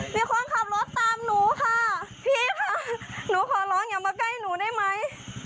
มีคนขับรถตามหนูค่ะพี่ค่ะหนูขอร้องอย่ามาใกล้หนูได้ไหม